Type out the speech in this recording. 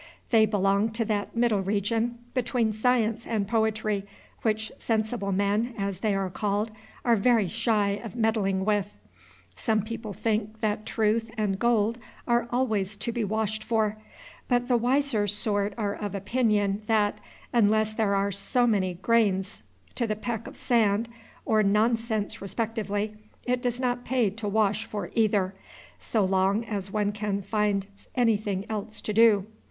They belong to that middle region between science and poetry which sensible men, as they are called, are very shy of meddling with. Some people think that truth and gold are always to be washed for; but the wiser sort are of opinion, that, unless there are so many grains to the peck of sand or nonsense respectively, it does not pay to wash for either, so long as one can find anything else to do.